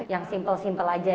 yang simple simple aja